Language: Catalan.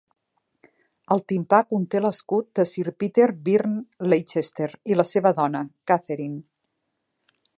El timpà conté l'escut de Sir Peter Byrne Leicester i la seva dona, Catherine.